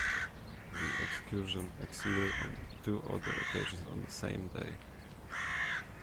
The excursion exceeded on two other occasions on the same day.